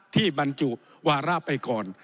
บรรจุวาระไปก่อน